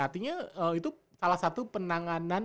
artinya itu salah satu penanganan